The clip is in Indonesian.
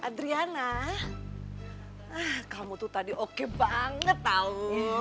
adriana ah kamu tuh tadi oke banget tau